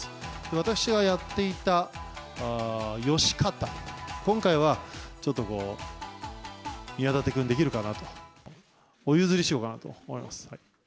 私がやっていた吉賢、今回は、ちょっとこう、宮舘君にできるかなと、お譲りしようかなと思います。